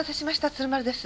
鶴丸です。